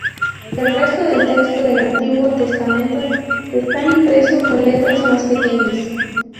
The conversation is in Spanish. El resto del texto del Antiguo Testamento está impreso con letras más pequeñas.